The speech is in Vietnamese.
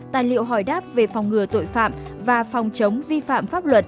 tài liệu hỏi đáp về phòng ngừa tội phạm và phòng chống vi phạm pháp luật